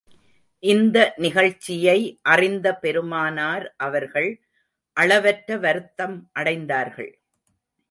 இந்த நிகழ்ச்சியை அறிந்த பெருமானார் அவர்கள் அளவற்ற வருத்தம் அடைந்தார்கள்.